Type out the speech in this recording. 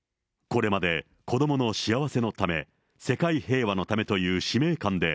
これまで、子どもの幸せのため、世界平和のためという使命感で、